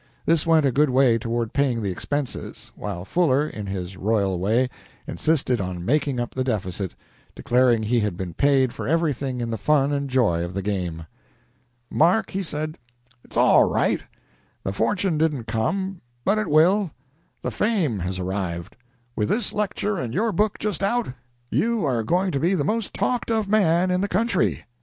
This went a good way toward paying the expenses, while Fuller, in his royal way, insisted on making up the deficit, declaring he had been paid for everything in the fun and joy of the game. "Mark," he said, "it's all right. The fortune didn't come, but it will. The fame has arrived; with this lecture and your book just out, you are going to be the most talked of man in the country.